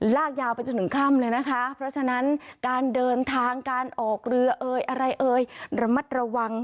ลากยาวไปจนถึงค่ำเลยนะคะเพราะฉะนั้นการเดินทางการออกเรือเอ่ยอะไรเอ่ยระมัดระวัง